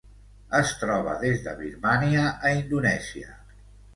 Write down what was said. Es troba des de Birmània a Indonèsia.